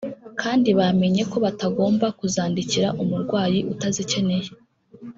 kandi bamenye ko batagomba kuzandikira umurwayi utazikeneye